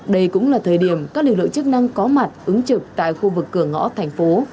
đây cũng là thời điểm các lực lượng chức năng có mặt ứng trực tại khu vực cửa ngõ thành phố